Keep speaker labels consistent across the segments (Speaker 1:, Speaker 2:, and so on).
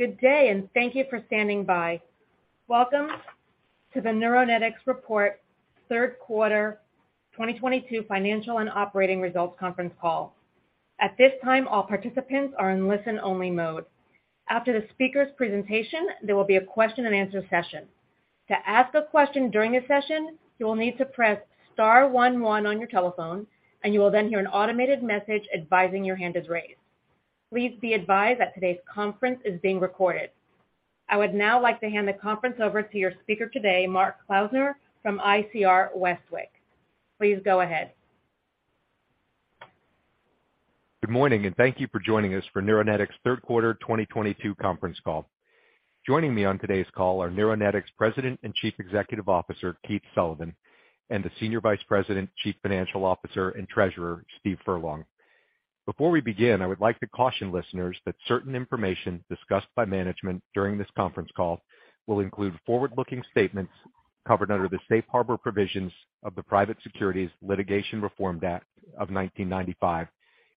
Speaker 1: Good day, and thank you for standing by. Welcome to the Neuronetics third quarter 2022 financial and operating results conference call. At this time, all participants are in listen-only mode. After the speaker's presentation, there will be a question-and-answer session. To ask a question during this session, you will need to press star one one on your telephone, and you will then hear an automated message advising your hand is raised. Please be advised that today's conference is being recorded. I would now like to hand the conference over to your speaker today, Mark Klausner from ICR Westwicke. Please go ahead.
Speaker 2: Good morning, and thank you for joining us for Neuronetics third quarter 2022 conference call. Joining me on today's call are Neuronetics President and Chief Executive Officer, Keith Sullivan, and the Senior Vice President, Chief Financial Officer, and Treasurer, Steve Furlong. Before we begin, I would like to caution listeners that certain information discussed by management during this conference call will include forward-looking statements covered under the Safe Harbor provisions of the Private Securities Litigation Reform Act of 1995,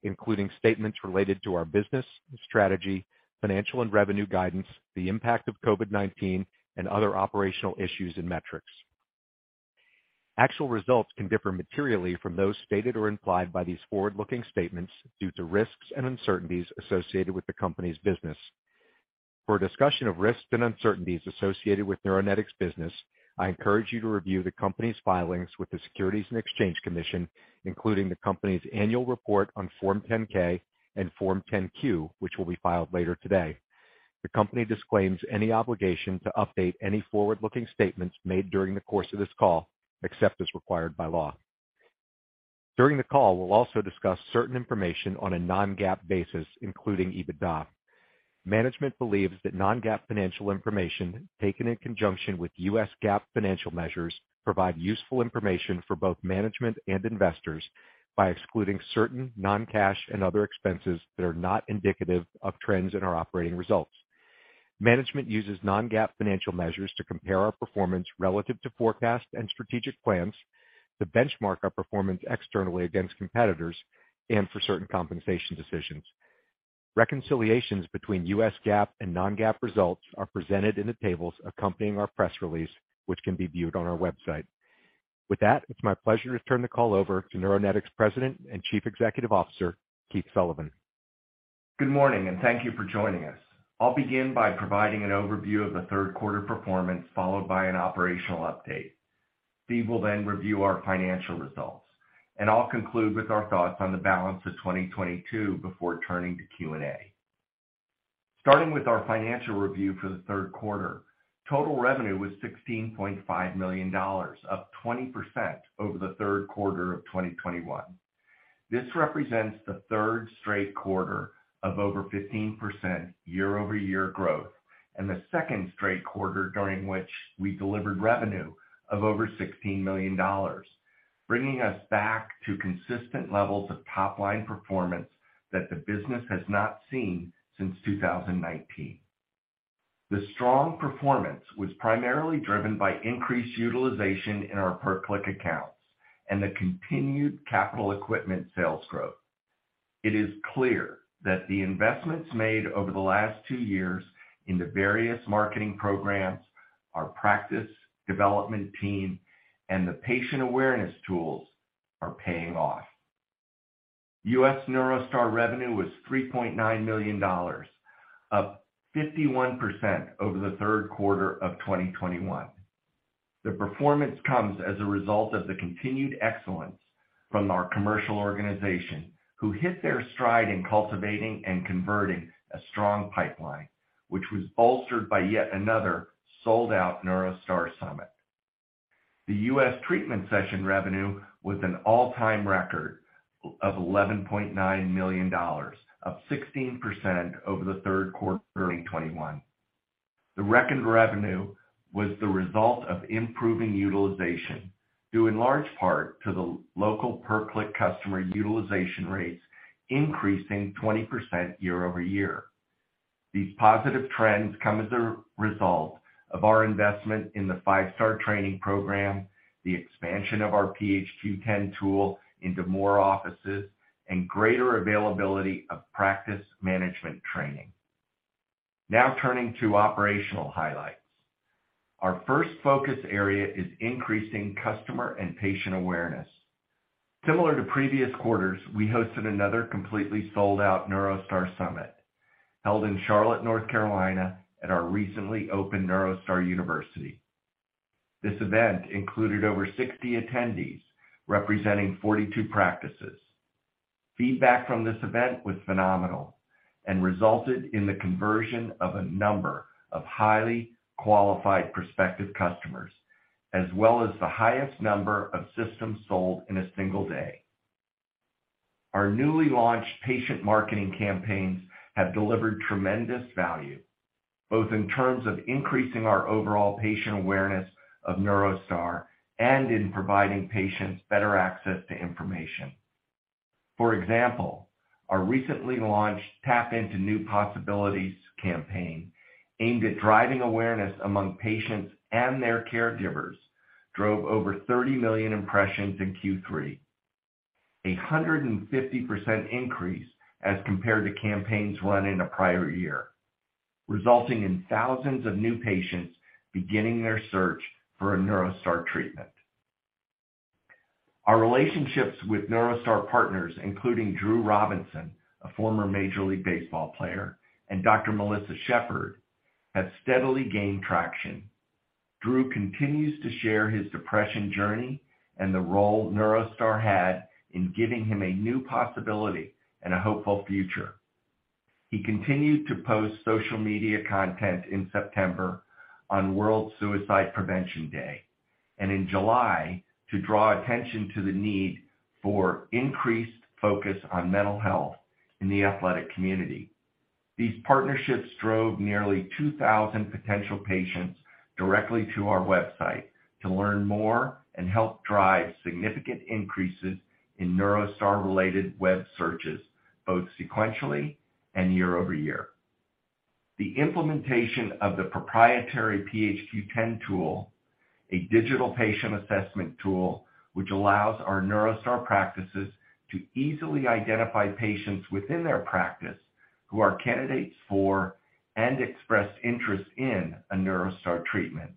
Speaker 2: including statements related to our business, strategy, financial and revenue guidance, the impact of COVID-19, and other operational issues and metrics. Actual results can differ materially from those stated or implied by these forward-looking statements due to risks and uncertainties associated with the company's business. For a discussion of risks and uncertainties associated with Neuronetics business, I encourage you to review the company's filings with the Securities and Exchange Commission, including the company's annual report on Form 10-K and Form 10-Q, which will be filed later today. The company disclaims any obligation to update any forward-looking statements made during the course of this call, except as required by law. During the call, we'll also discuss certain information on a non-GAAP basis, including EBITDA. Management believes that non-GAAP financial information, taken in conjunction with US GAAP financial measures, provide useful information for both management and investors by excluding certain non-cash and other expenses that are not indicative of trends in our operating results. Management uses non-GAAP financial measures to compare our performance relative to forecast and strategic plans, to benchmark our performance externally against competitors, and for certain compensation decisions. Reconciliations between U.S. GAAP and non-GAAP results are presented in the tables accompanying our press release, which can be viewed on our website. With that, it's my pleasure to turn the call over to Neuronetics President and Chief Executive Officer, Keith Sullivan.
Speaker 3: Good morning, and thank you for joining us. I'll begin by providing an overview of the third quarter performance, followed by an operational update. Steve will then review our financial results, and I'll conclude with our thoughts on the balance of 2022 before turning to Q&A. Starting with our financial review for the third quarter, total revenue was $16.5 million, up 20% over the third quarter of 2021. This represents the third straight quarter of over 15% year-over-year growth and the second straight quarter during which we delivered revenue of over $16 million, bringing us back to consistent levels of top-line performance that the business has not seen since 2019. The strong performance was primarily driven by increased utilization in our per-click accounts and the continued capital equipment sales growth. It is clear that the investments made over the last two years in the various marketing programs, our practice development team, and the patient awareness tools are paying off. U.S. NeuroStar revenue was $3.9 million, up 51% over the third quarter of 2021. The performance comes as a result of the continued excellence from our commercial organization, who hit their stride in cultivating and converting a strong pipeline, which was bolstered by yet another sold-out NeuroStar Summit. The U.S. treatment session revenue was an all-time record of $11.9 million, up 16% over the third quarter of 2021. The record revenue was the result of improving utilization, due in large part to the local per-click customer utilization rates increasing 20% year-over-year. These positive trends come as a result of our investment in the 5 Star training program, the expansion of our PHQ-10 tool into more offices, and greater availability of practice management training. Now turning to operational highlights. Our first focus area is increasing customer and patient awareness. Similar to previous quarters, we hosted another completely sold-out NeuroStar Summit held in Charlotte, North Carolina, at our recently opened NeuroStar University. This event included over 60 attendees representing 42 practices. Feedback from this event was phenomenal and resulted in the conversion of a number of highly qualified prospective customers, as well as the highest number of systems sold in a single day. Our newly launched patient marketing campaigns have delivered tremendous value, both in terms of increasing our overall patient awareness of NeuroStar and in providing patients better access to information. For example, our recently launched Tap into a New Possibility campaign, aimed at driving awareness among patients and their caregivers, drove over 30 million impressions in Q3. A 150% increase as compared to campaigns run in a prior year, resulting in thousands of new patients beginning their search for a NeuroStar treatment. Our relationships with NeuroStar partners, including Drew Robinson, a former Major League Baseball player, and Dr. Melissa Shepard, have steadily gained traction. Drew continues to share his depression journey and the role NeuroStar had in giving him a new possibility and a hopeful future. He continued to post social media content in September on World Suicide Prevention Day and in July to draw attention to the need for increased focus on mental health in the athletic community. These partnerships drove nearly 2,000 potential patients directly to our website to learn more and help drive significant increases in NeuroStar-related web searches, both sequentially and year over year. The implementation of the proprietary PHQ-10 tool, a digital patient assessment tool which allows our NeuroStar practices to easily identify patients within their practice who are candidates for and express interest in a NeuroStar treatment,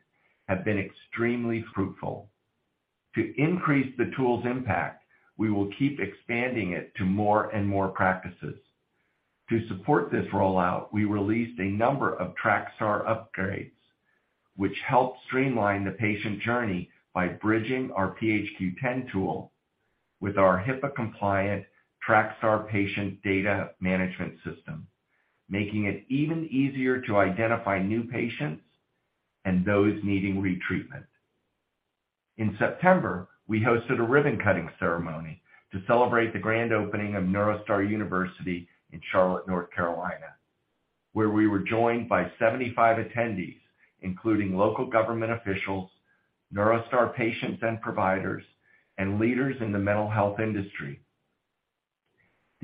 Speaker 3: have been extremely fruitful. To increase the tool's impact, we will keep expanding it to more and more practices. To support this rollout, we released a number of TrakStar upgrades which help streamline the patient journey by bridging our PHQ-10 tool with our HIPAA-compliant TrakStar patient data management system, making it even easier to identify new patients and those needing retreatment. In September, we hosted a ribbon-cutting ceremony to celebrate the grand opening of NeuroStar University in Charlotte, North Carolina, where we were joined by 75 attendees, including local government officials, NeuroStar patients and providers, and leaders in the mental health industry.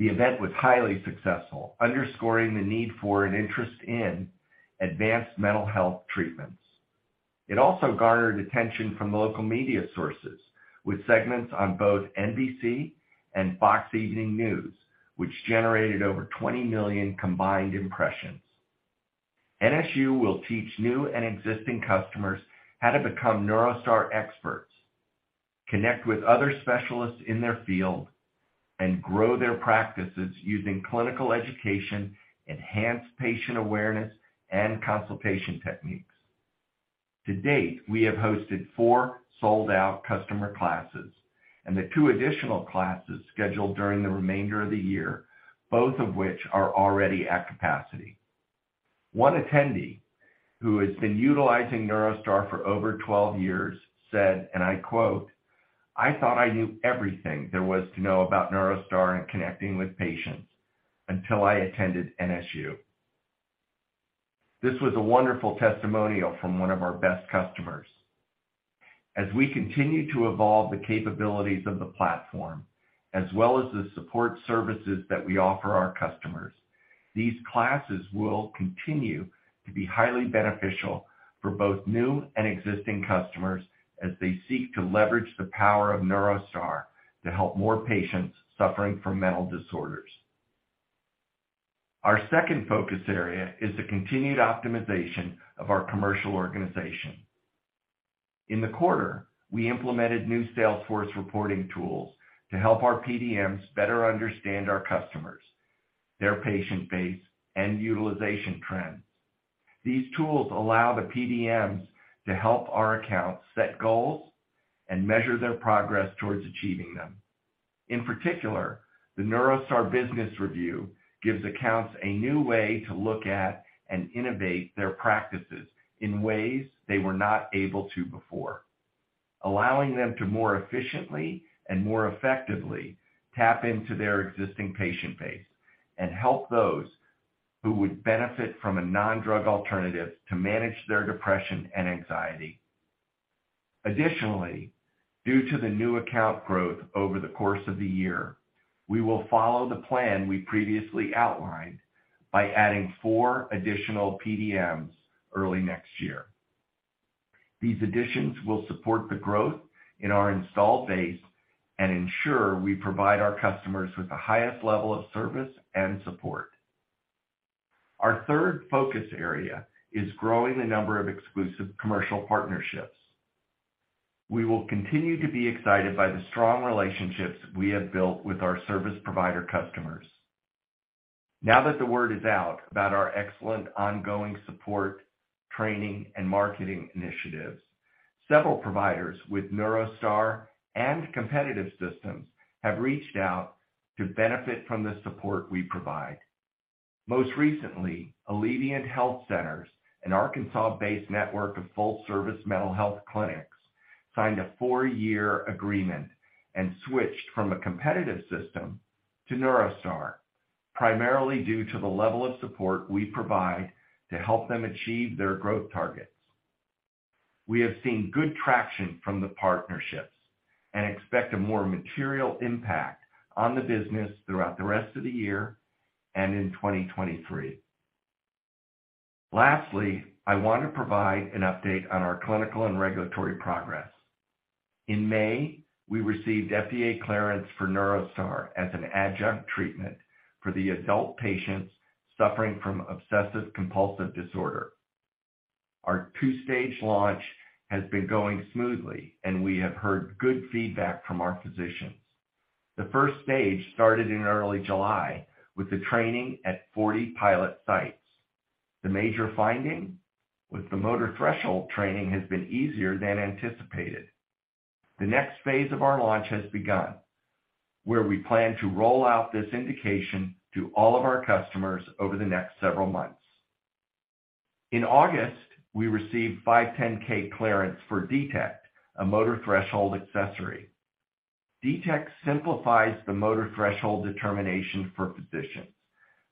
Speaker 3: The event was highly successful, underscoring the need for an interest in advanced mental health treatments. It also garnered attention from local media sources with segments on both NBC and Fox Evening News, which generated over 20 million combined impressions. NSU will teach new and existing customers how to become NeuroStar experts, connect with other specialists in their field, and grow their practices using clinical education, enhanced patient awareness, and consultation techniques. To date, we have hosted four sold-out customer classes and the two additional classes scheduled during the remainder of the year, both of which are already at capacity. One attendee who has been utilizing NeuroStar for over 12 years said, and I quote, "I thought I knew everything there was to know about NeuroStar and connecting with patients until I attended NSU." This was a wonderful testimonial from one of our best customers. As we continue to evolve the capabilities of the platform, as well as the support services that we offer our customers, these classes will continue to be highly beneficial for both new and existing customers as they seek to leverage the power of NeuroStar to help more patients suffering from mental disorders. Our second focus area is the continued optimization of our commercial organization. In the quarter, we implemented new sales force reporting tools to help our PDMs better understand our customers, their patient base, and utilization trends. These tools allow the PDMs to help our accounts set goals and measure their progress towards achieving them. In particular, the NeuroStar Business Review gives accounts a new way to look at and innovate their practices in ways they were not able to before, allowing them to more efficiently and more effectively tap into their existing patient base and help those who would benefit from a non-drug alternative to manage their depression and anxiety. Additionally, due to the new account growth over the course of the year, we will follow the plan we previously outlined by adding 4 additional PDMs early next year. These additions will support the growth in our installed base and ensure we provide our customers with the highest level of service and support. Our third focus area is growing the number of exclusive commercial partnerships. We will continue to be excited by the strong relationships we have built with our service provider customers. Now that the word is out about our excellent ongoing support, training, and marketing initiatives, several providers with NeuroStar and competitive systems have reached out to benefit from the support we provide. Most recently, Alleviant Health Centers, an Arkansas-based network of full-service mental health clinics, signed a 4-year agreement and switched from a competitive system to NeuroStar, primarily due to the level of support we provide to help them achieve their growth targets. We have seen good traction from the partnerships and expect a more material impact on the business throughout the rest of the year and in 2023. Lastly, I want to provide an update on our clinical and regulatory progress. In May, we received FDA clearance for NeuroStar as an adjunct treatment for the adult patients suffering from obsessive compulsive disorder. Our two-stage launch has been going smoothly, and we have heard good feedback from our physicians. The first stage started in early July with the training at 40 pilot sites. The major finding was the motor threshold training has been easier than anticipated. The next phase of our launch has begun, where we plan to roll out this indication to all of our customers over the next several months. In August, we received 510(k) clearance for D-Tect, a motor threshold accessory. D-Tect simplifies the motor threshold determination for physicians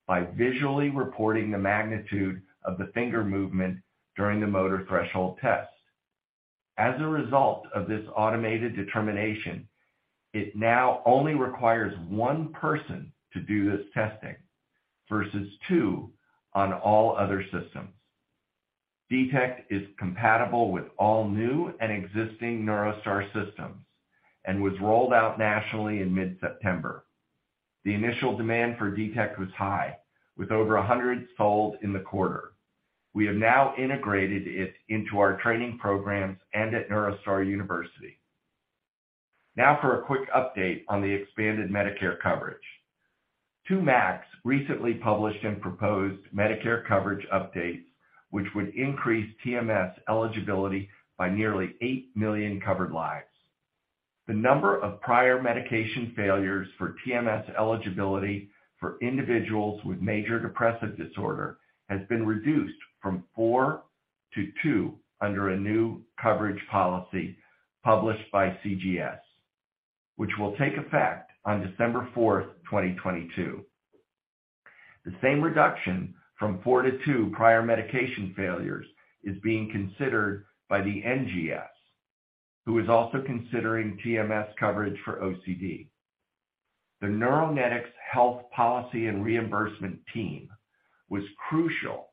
Speaker 3: by visually reporting the magnitude of the finger movement during the motor threshold test. As a result of this automated determination, it now only requires one person to do this testing versus two on all other systems. D-Tect is compatible with all new and existing NeuroStar systems and was rolled out nationally in mid-September. The initial demand for D-Tect was high, with over 100 sold in the quarter. We have now integrated it into our training programs and at NeuroStar University. Now for a quick update on the expanded Medicare coverage. Two Max recently published and proposed Medicare coverage updates which would increase TMS eligibility by nearly 8 million covered lives. The number of prior medication failures for TMS eligibility for individuals with major depressive disorder has been reduced from 4 to 2 under a new coverage policy published by CGS, which will take effect on December 4, 2022. The same reduction from 4 to 2 prior medication failures is being considered by the NGS, who is also considering TMS coverage for OCD. The Neuronetics health policy and reimbursement team was crucial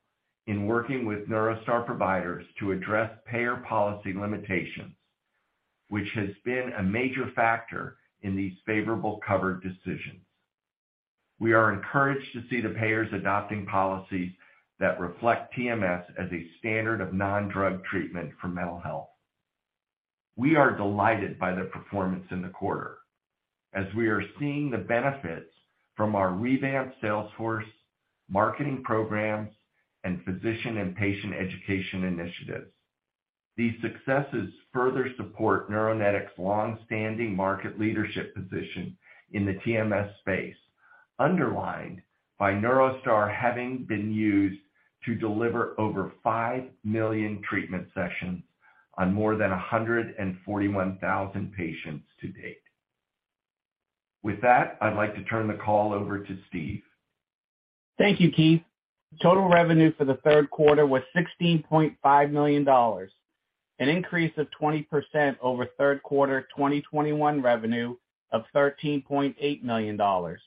Speaker 3: in working with NeuroStar providers to address payer policy limitations, which has been a major factor in these favorable covered decisions. We are encouraged to see the payers adopting policies that reflect TMS as a standard of non-drug treatment for mental health. We are delighted by their performance in the quarter as we are seeing the benefits from our revamped sales force, marketing programs, and physician and patient education initiatives. These successes further support Neuronetics' long-standing market leadership position in the TMS space, underlined by NeuroStar having been used to deliver over 5 million treatment sessions on more than 141,000 patients to date. With that, I'd like to turn the call over to Steve.
Speaker 4: Thank you, Keith. Total revenue for the third quarter was $16.5 million, an increase of 20% over third quarter 2021 revenue of $13.8 million. US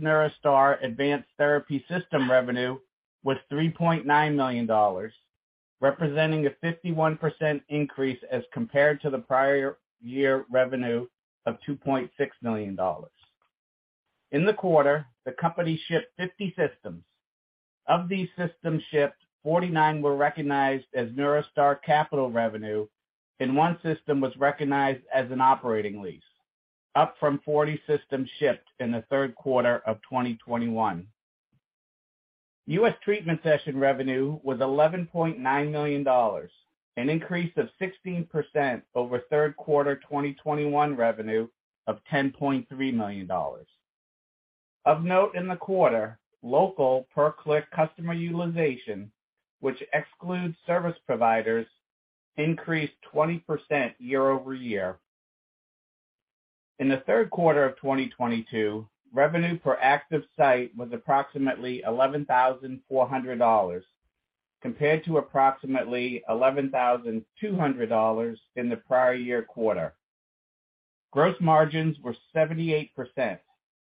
Speaker 4: NeuroStar advanced therapy system revenue was $3.9 million, representing a 51% increase as compared to the prior year revenue of $2.6 million. In the quarter, the company shipped 50 systems. Of these systems shipped, 49 were recognized as NeuroStar capital revenue, and 1 system was recognized as an operating lease, up from 40 systems shipped in the third quarter of 2021. US treatment session revenue was $11.9 million, an increase of 16% over third quarter 2021 revenue of $10.3 million. Of note in the quarter, local per-click customer utilization, which excludes service providers, increased 20% year-over-year. In the third quarter of 2022, revenue per active site was approximately $11,400 compared to approximately $11,200 in the prior year quarter. Gross margins were 78%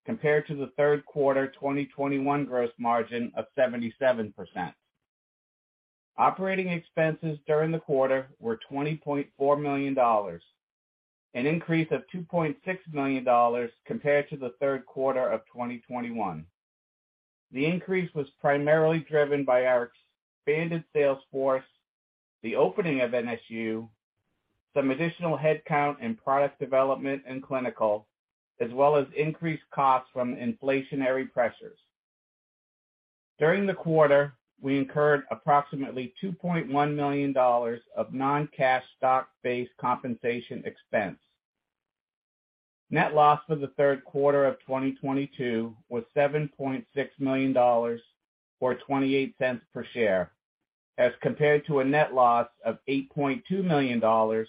Speaker 4: compared to the third quarter 2021 gross margin of 77%. Operating expenses during the quarter were $20.4 million, an increase of $2.6 million compared to the third quarter of 2021. The increase was primarily driven by our expanded sales force, the opening of NSU, some additional headcount in product development and clinical, as well as increased costs from inflationary pressures. During the quarter, we incurred approximately $2.1 million of non-cash stock-based compensation expense. Net loss for the third quarter of 2022 was $7.6 million, or $0.28 per share, as compared to a net loss of $8.2 million or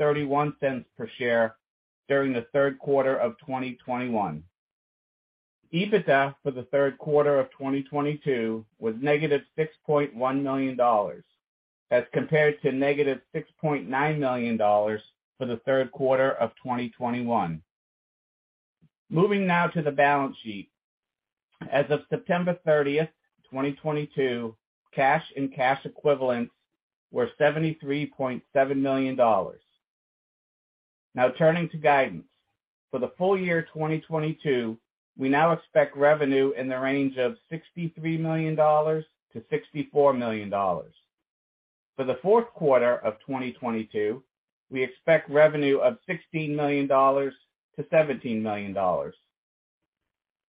Speaker 4: $0.31 per share during the third quarter of 2021. EBITDA for the third quarter of 2022 was -$6.1 million as compared to -$6.9 million for the third quarter of 2021. Moving now to the balance sheet. As of September 30, 2022, cash and cash equivalents were $73.7 million. Now turning to guidance. For the full year 2022, we now expect revenue in the range of $63 million-$64 million. For the fourth quarter of 2022, we expect revenue of $16 million-$17 million.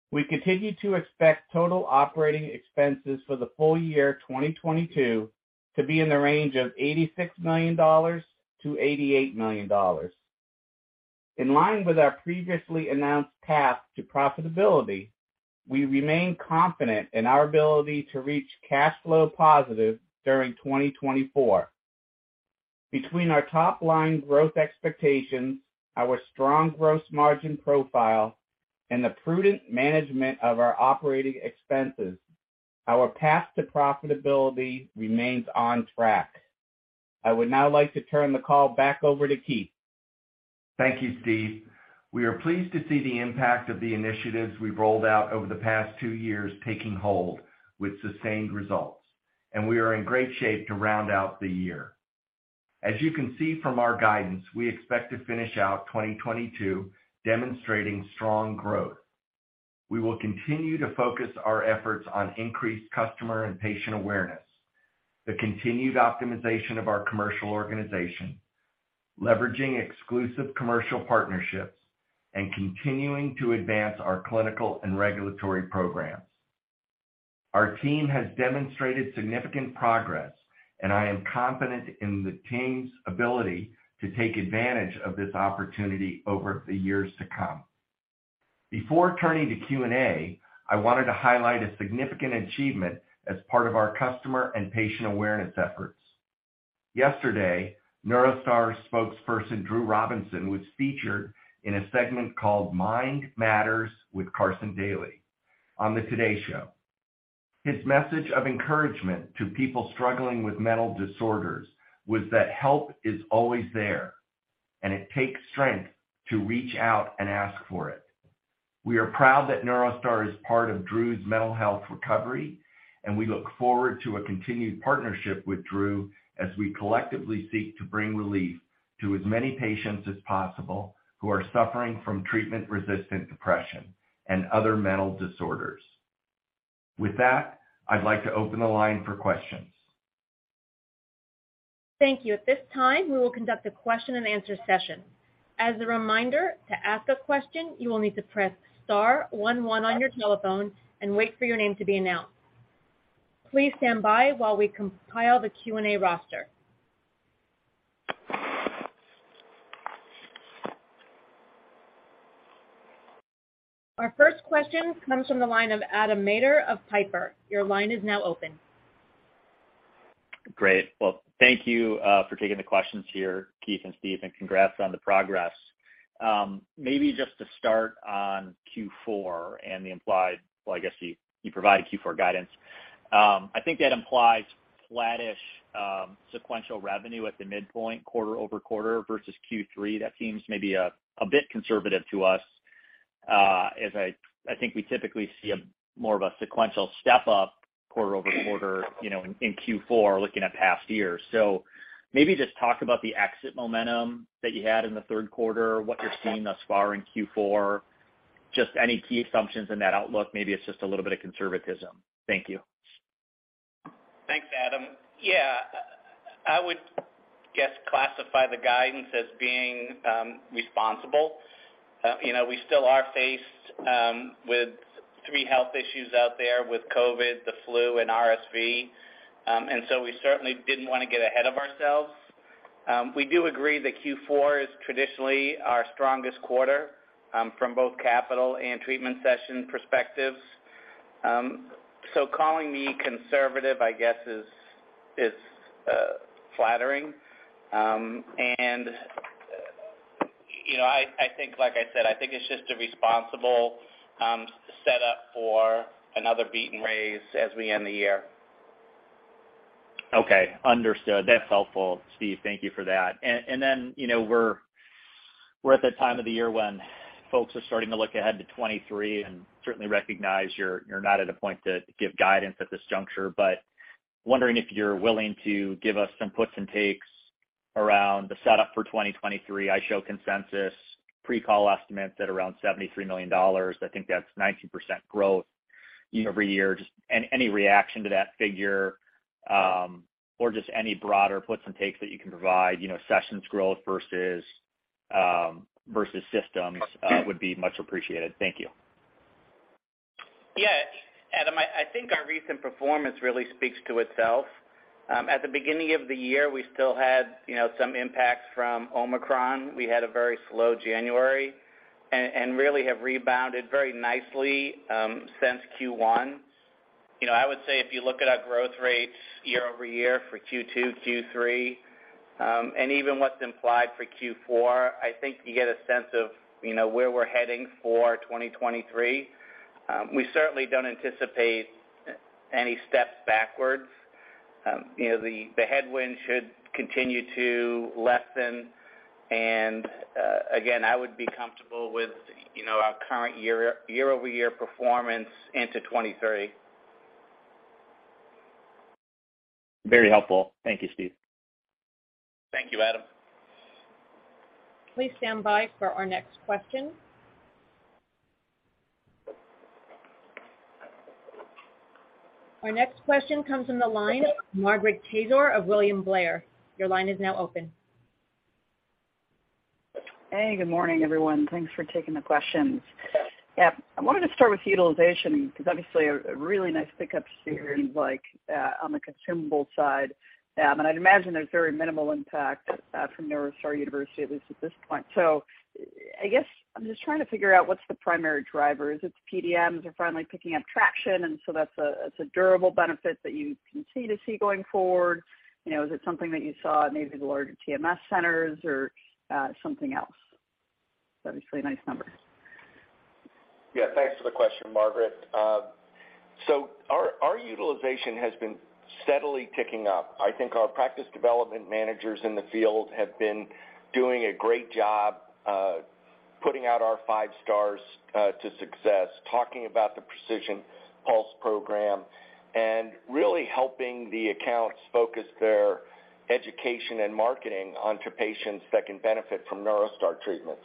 Speaker 4: We continue to expect total operating expenses for the full year 2022 to be in the range of $86 million-$88 million. In line with our previously announced path to profitability, we remain confident in our ability to reach cash flow positive during 2024. Between our top line growth expectations, our strong gross margin profile, and the prudent management of our operating expenses, our path to profitability remains on track. I would now like to turn the call back over to Keith.
Speaker 3: Thank you, Steve. We are pleased to see the impact of the initiatives we've rolled out over the past two years taking hold with sustained results, and we are in great shape to round out the year. As you can see from our guidance, we expect to finish out 2022 demonstrating strong growth. We will continue to focus our efforts on increased customer and patient awareness, the continued optimization of our commercial organization, leveraging exclusive commercial partnerships, and continuing to advance our clinical and regulatory programs. Our team has demonstrated significant progress, and I am confident in the team's ability to take advantage of this opportunity over the years to come. Before turning to Q&A, I wanted to highlight a significant achievement as part of our customer and patient awareness efforts. Yesterday, NeuroStar spokesperson Drew Robinson was featured in a segment called Mind Matters with Carson Daly on the Today Show. His message of encouragement to people struggling with mental disorders was that help is always there, and it takes strength to reach out and ask for it. We are proud that NeuroStar is part of Drew's mental health recovery, and we look forward to a continued partnership with Drew as we collectively seek to bring relief to as many patients as possible who are suffering from treatment-resistant depression and other mental disorders. With that, I'd like to open the line for questions.
Speaker 1: Thank you. At this time, we will conduct a question-and-answer session. As a reminder, to ask a question, you will need to press star 11 on your telephone and wait for your name to be announced. Please stand by while we compile the Q&A roster. Our first question comes from the line of Adam Maeder of Piper. Your line is now open.
Speaker 5: Great. Well, thank you for taking the questions here, Keith and Steve, and congrats on the progress. Maybe just to start on Q4 and the implied. Well, I guess you provided Q4 guidance. I think that implies flattish sequential revenue at the midpoint quarter over quarter versus Q3. That seems maybe a bit conservative to us, as I think we typically see a more of a sequential step up quarter over quarter, you know, in Q4 looking at past years. Maybe just talk about the exit momentum that you had in the third quarter, what you're seeing thus far in Q4, just any key assumptions in that outlook. Maybe it's just a little bit of conservatism. Thank you.
Speaker 4: Thanks, Adam Maeder. Yeah, I would, I guess, classify the guidance as being responsible. You know, we still are faced with three health issues out there with COVID, the flu, and RSV. We certainly didn't wanna get ahead of ourselves. We do agree that Q4 is traditionally our strongest quarter from both capital and treatment session perspectives. Calling me conservative, I guess, is flattering. You know, I think, like I said, I think it's just a responsible setup for another beat and raise as we end the year.
Speaker 5: Okay, understood. That's helpful, Steve. Thank you for that. You know, we're at that time of the year when folks are starting to look ahead to 2023, and certainly recognize you're not at a point to give guidance at this juncture. Wondering if you're willing to give us some puts and takes around the setup for 2023. I show consensus pre-call estimates at around $73 million. I think that's 19% growth year-over-year. Just any reaction to that figure, or just any broader puts and takes that you can provide, you know, sessions growth versus systems, would be much appreciated. Thank you.
Speaker 4: Yeah. Adam, I think our recent performance really speaks to itself. At the beginning of the year, we still had, you know, some impacts from Omicron. We had a very slow January, and really have rebounded very nicely since Q1. You know, I would say if you look at our growth rates year-over-year for Q2, Q3, and even what's implied for Q4, I think you get a sense of, you know, where we're heading for 2023. We certainly don't anticipate any steps backwards. You know, the headwind should continue to lessen. Again, I would be comfortable with, you know, our current year-over-year performance into 2023.
Speaker 5: Very helpful. Thank you, Steve.
Speaker 4: Thank you, Adam.
Speaker 1: Please stand by for our next question. Our next question comes from the line of Margaret Kaczor of William Blair. Your line is now open.
Speaker 6: Hey, good morning, everyone. Thanks for taking the questions. Yeah, I wanted to start with utilization because obviously a really nice pick up we see here, like, on the consumable side. I'd imagine there's very minimal impact from NeuroStar University, at least at this point. So I guess I'm just trying to figure out what's the primary driver. Is it the PDMs are finally picking up traction, and so that's a durable benefit that you can see sustained going forward? You know, is it something that you saw maybe the larger TMS centers or something else? Obviously nice numbers.
Speaker 3: Yeah. Thanks for the question, Margaret. Our utilization has been steadily ticking up. I think our practice development managers in the field have been doing a great job putting out our 5 Stars to Success, talking about the Precision Pulse program, and really helping the accounts focus their education and marketing onto patients that can benefit from NeuroStar treatment.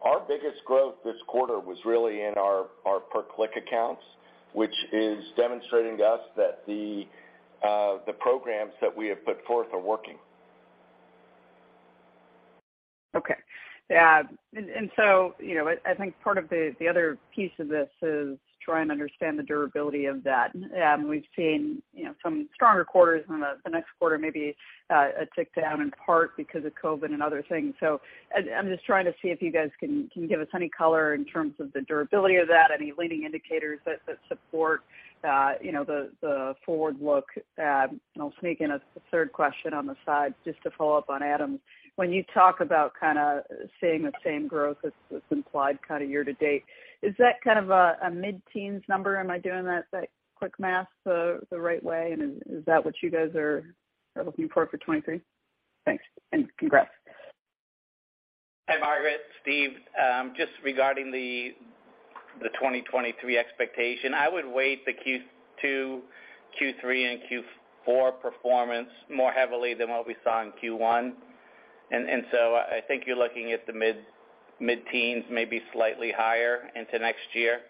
Speaker 3: Our biggest growth this quarter was really in our per-click accounts, which is demonstrating to us that the programs that we have put forth are working.
Speaker 6: Okay. Yeah. You know, I think part of the other piece of this is try and understand the durability of that. We've seen you know some stronger quarters and the next quarter maybe a tick down in part because of COVID and other things. I'm just trying to see if you guys can give us any color in terms of the durability of that, any leading indicators that support you know the forward look. I'll sneak in a third question on the side just to follow up on Adam. When you talk about kind of seeing the same growth that's implied kind of year to date, is that kind of a mid-teens number? Am I doing that quick math the right way? Is that what you guys are looking for 2023? Thanks, and congrats.
Speaker 4: Hi, Margaret. Steve. Just regarding the 2023 expectation, I would weigh the Q2, Q3, and Q4 performance more heavily than what we saw in Q1. I think you're looking at the mid-teens, maybe slightly higher into next year.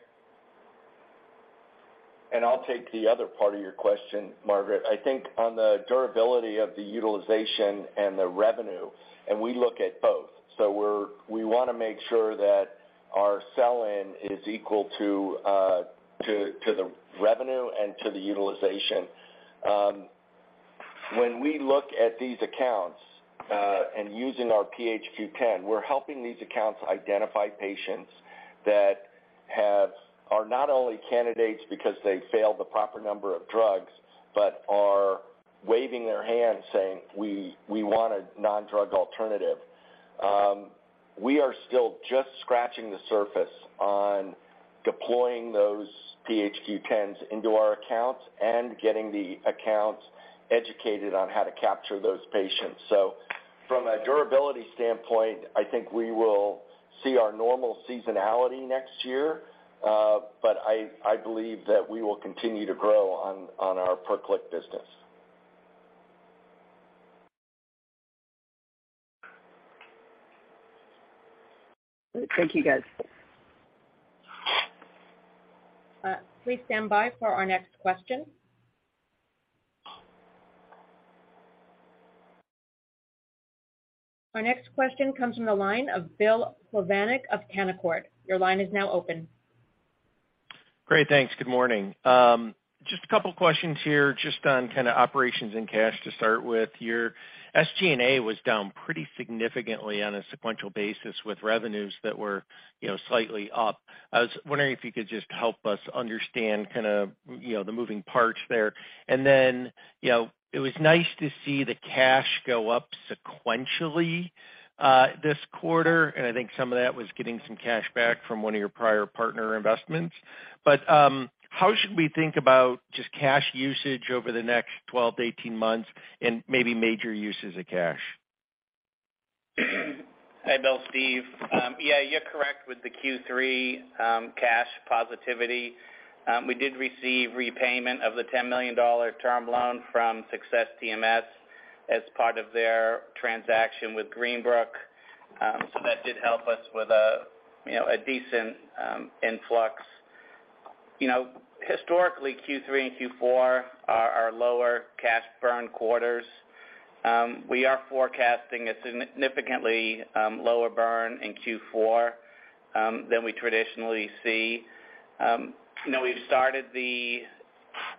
Speaker 3: I'll take the other part of your question, Margaret. I think on the durability of the utilization and the revenue, and we look at both, so we wanna make sure that our sell-in is equal to the revenue and to the utilization. When we look at these accounts, and using our PHQ-10, we're helping these accounts identify patients that are not only candidates because they failed the proper number of drugs, but are waving their hands saying, "We want a non-drug alternative." We are still just scratching the surface on deploying those PHQ-10s into our accounts and getting the accounts educated on how to capture those patients. From a durability standpoint, I think we will see our normal seasonality next year. I believe that we will continue to grow on our per-click business.
Speaker 6: Thank you, guys.
Speaker 1: Please stand by for our next question. Our next question comes from the line of William Plovanic of Canaccord. Your line is now open.
Speaker 7: Great. Thanks. Good morning. Just a couple questions here just on kind of operations and cash to start with. Your SG&A was down pretty significantly on a sequential basis with revenues that were, you know, slightly up. I was wondering if you could just help us understand kind of, you know, the moving parts there. You know, it was nice to see the cash go up sequentially this quarter, and I think some of that was getting some cash back from one of your prior partner investments. How should we think about just cash usage over the next 12 to 18 months and maybe major uses of cash?
Speaker 4: Hi, Bill. Steve. Yeah, you're correct with the Q3 cash positivity. We did receive repayment of the $10 million term loan from Success TMS as part of their transaction with Greenbrook. So that did help us with a, you know, a decent influx. You know, historically, Q3 and Q4 are lower cash burn quarters. We are forecasting a significantly lower burn in Q4 than we traditionally see. You know, we've started the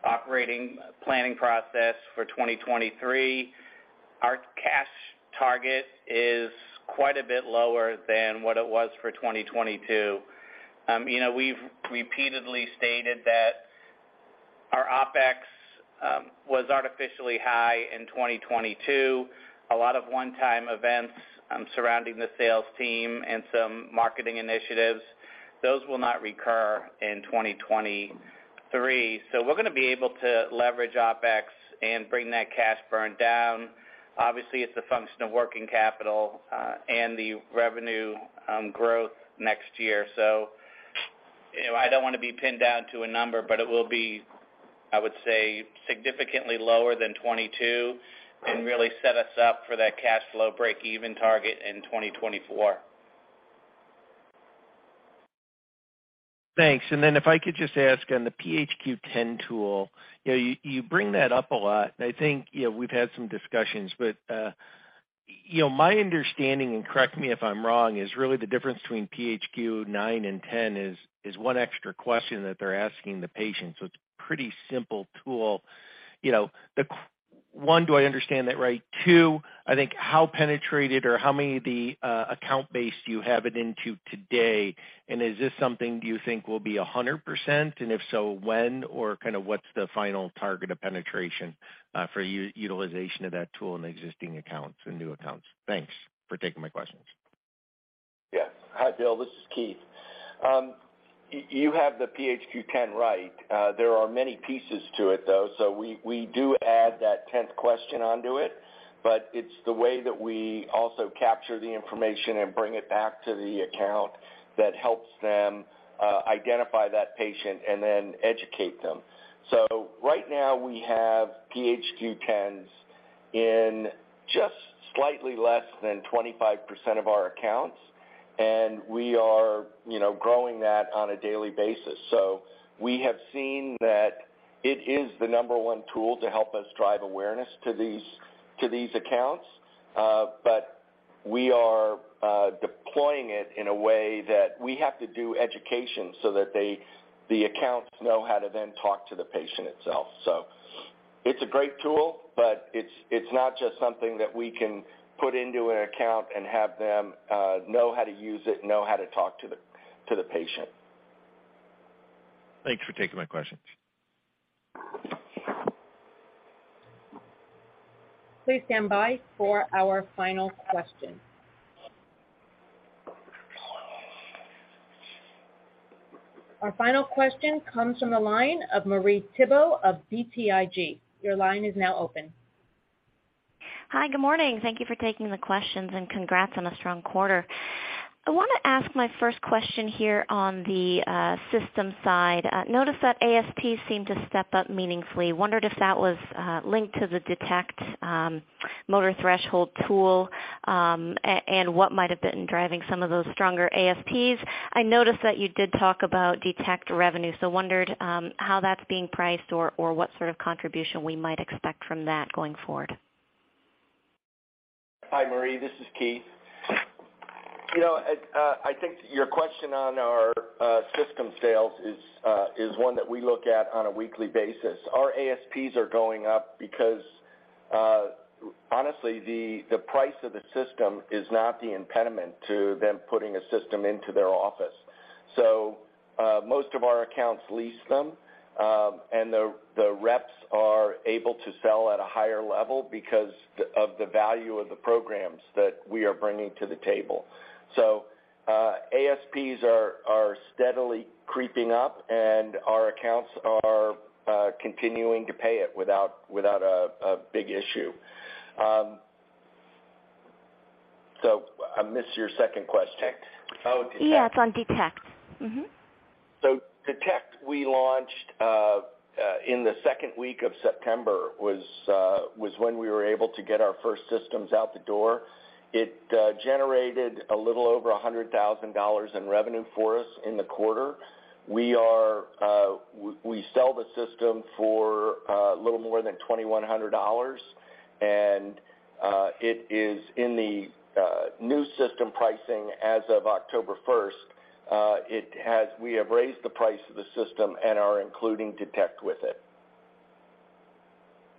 Speaker 4: operating planning process for 2023. Our cash target is quite a bit lower than what it was for 2022. You know, we've repeatedly stated that our OpEx was artificially high in 2022. A lot of one-time events surrounding the sales team and some marketing initiatives, those will not recur in 2023. We're gonna be able to leverage OpEx and bring that cash burn down. Obviously, it's a function of working capital, and the revenue growth next year. You know, I don't wanna be pinned down to a number, but it will be, I would say, significantly lower than 22 and really set us up for that cash flow breakeven target in 2024.
Speaker 7: Thanks. If I could just ask on the PHQ-10 tool. You know, you bring that up a lot, and I think, you know, we've had some discussions. My understanding, and correct me if I'm wrong, is really the difference between PHQ-9 and 10 is one extra question that they're asking the patient, so it's pretty simple tool. You know, one, do I understand that right? Two, I think how penetrated or how many of the account base do you have it into today? And is this something you think will be 100%? And if so, when? Or kinda what's the final target of penetration for utilization of that tool in existing accounts or new accounts? Thanks for taking my questions.
Speaker 3: Yeah. Hi, Bill. This is Keith. You have the PHQ-10 right. There are many pieces to it, though. We do add that tenth question onto it, but it's the way that we also capture the information and bring it back to the account that helps them identify that patient and then educate them. Right now, we have PHQ-10s in just slightly less than 25% of our accounts, and we are, you know, growing that on a daily basis. We have seen that it is the number one tool to help us drive awareness to these accounts. But we are deploying it in a way that we have to do education so that they, the accounts know how to then talk to the patient itself. It's a great tool, but it's not just something that we can put into an account and have them know how to use it, know how to talk to the patient.
Speaker 7: Thanks for taking my questions.
Speaker 1: Please stand by for our final question. Our final question comes from the line of Marie Thibault of BTIG. Your line is now open.
Speaker 8: Hi. Good morning. Thank you for taking the questions, and congrats on a strong quarter. I wanna ask my first question here on the system side. I noticed that ASP seemed to step up meaningfully. Wondered if that was linked to the D-Tect motor threshold tool and what might have been driving some of those stronger ASPs. I noticed that you did talk about D-Tect revenue, so wondered how that's being priced or what sort of contribution we might expect from that going forward.
Speaker 3: Hi, Marie. This is Keith. You know, I think your question on our system sales is one that we look at on a weekly basis. Our ASPs are going up because honestly, the price of the system is not the impediment to them putting a system into their office. Most of our accounts lease them, and the reps are able to sell at a higher level because of the value of the programs that we are bringing to the table. ASPs are steadily creeping up, and our accounts are continuing to pay it without a big issue. I missed your second question.
Speaker 8: D-Tect.
Speaker 3: Oh, D-Tect.
Speaker 8: Yeah, it's on D-Tect. Mm-hmm.
Speaker 3: D-Tect, we launched in the second week of September was when we were able to get our first systems out the door. It generated a little over $100,000 in revenue for us in the quarter. We sell the system for a little more than $2,100, and it is in the new system pricing as of October first. We have raised the price of the system and are including D-Tect with it.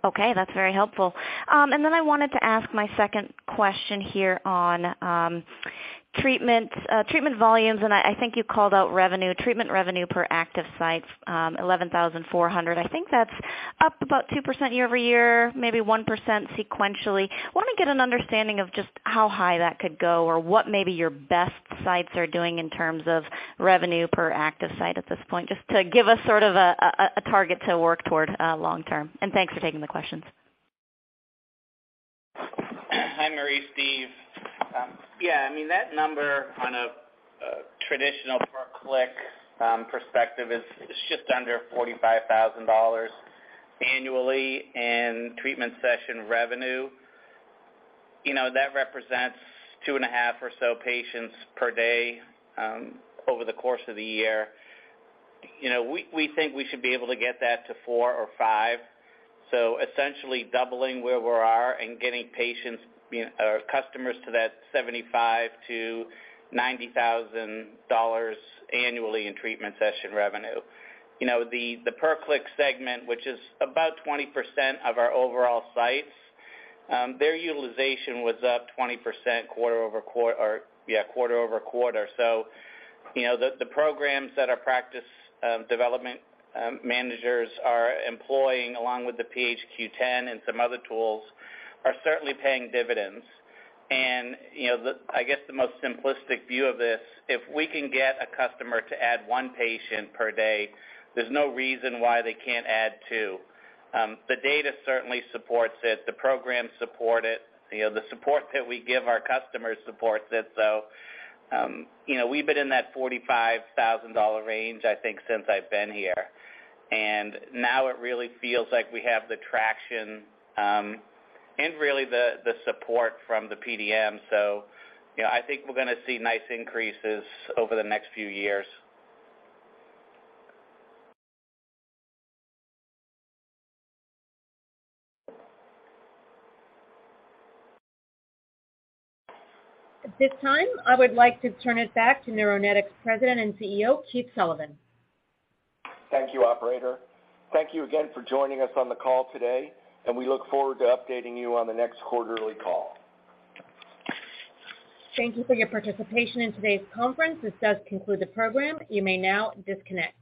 Speaker 8: Okay, that's very helpful. I wanted to ask my second question here on treatment volumes, and I think you called out revenue, treatment revenue per active sites, $11,400. I think that's up about 2% year-over-year, maybe 1% sequentially. I want to get an understanding of just how high that could go or what maybe your best sites are doing in terms of revenue per active site at this point, just to give us sort of a target to work toward long term. Thanks for taking the questions.
Speaker 4: Hi, Marie. Steve. That number on a traditional per-click perspective is just under $45,000 annually in treatment session revenue. That represents two and a half or so patients per day over the course of the year. We think we should be able to get that to 4 or 5, essentially doubling where we are and getting patients or customers to that $75,000-$90,000 annually in treatment session revenue. The per-click segment, which is about 20% of our overall sites, their utilization was up 20% quarter-over-quarter. The programs that our practice development managers are employing along with the PHQ-10 and some other tools are certainly paying dividends. You know, I guess the most simplistic view of this, if we can get a customer to add one patient per day, there's no reason why they can't add two. The data certainly supports it. The programs support it. You know, the support that we give our customers supports it. You know, we've been in that $45,000 range, I think, since I've been here. Now it really feels like we have the traction, and really the support from the PDMs. You know, I think we're gonna see nice increases over the next few years.
Speaker 1: At this time, I would like to turn it back to Neuronetics President and CEO, Keith Sullivan.
Speaker 3: Thank you, operator. Thank you again for joining us on the call today, and we look forward to updating you on the next quarterly call.
Speaker 1: Thank you for your participation in today's conference. This does conclude the program. You may now disconnect.